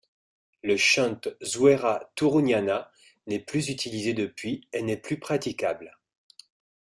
Le shunt Zuera-Turuñana n’est plus utilisé depuis et n’est plus praticable.